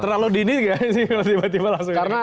terlalu dini gak sih kalau tiba tiba langsung